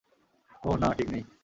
ওহ, না, ঠিক নেই।